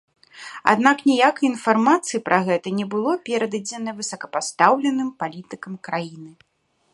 Аднак ніякай інфармацыі пра гэта не было перададзена высокапастаўленым палітыкам краіны.